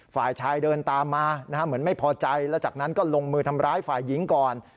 ฝ่ายชายเดินตามมาเหมือนไม่พอใจแล้วจากนั้นก็ลงมือทำร้ายฝ่ายหญิงก่อน